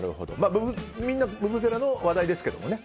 みんなブブゼラの話題ですけどね。